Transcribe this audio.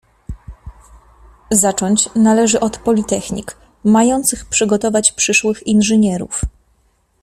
"Zacząć należy od politechnik, mających przygotować przyszłych inżynierów."